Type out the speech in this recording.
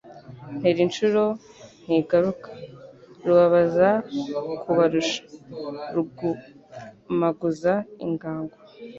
Ntera inshuro ntigaruka..Rubabaza kubarusha, rugumaguza ingango,